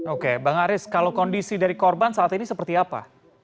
oke bang aris kalau kondisi dari korban saat ini seperti apa